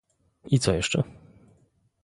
"I co jeszcze?"